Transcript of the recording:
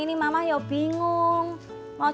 ingin melayan k semi holger demna tom